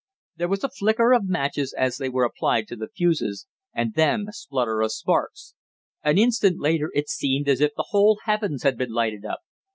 There was a flicker of matches as they were applied to the fuses, and then a splutter of sparks. An instant later it seemed as if the whole heavens had been lighted up.